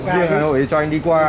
riêng hà nội thì cho anh đi qua